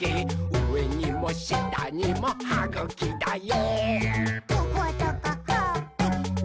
うえにもしたにもはぐきだよ！」